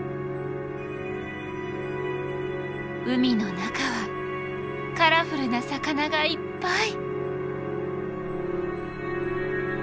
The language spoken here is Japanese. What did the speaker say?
海の中はカラフルな魚がいっぱい！